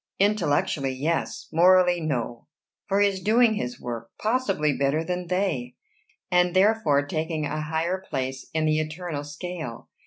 "Intellectually, yes; morally, no; for he is doing his work, possibly better than they, and therefore taking a higher place in the eternal scale.